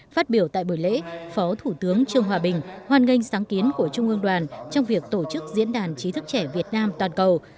phát biểu tại buổi lễ phó thủ tướng trương hòa bình hoan nghênh sáng kiến của trung ương đoàn trong việc tổ chức diễn đàn chí thức trẻ việt nam toàn cầu